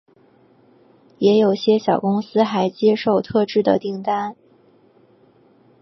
也有些小公司还接受特制的订单。